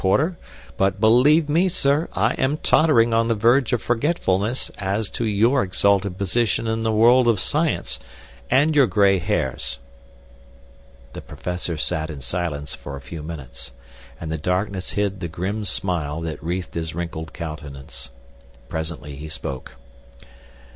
Porter; but, believe me, sir, I am tottering on the verge of forgetfulness as to your exalted position in the world of science, and your gray hairs." The professor sat in silence for a few minutes, and the darkness hid the grim smile that wreathed his wrinkled countenance. Presently he spoke.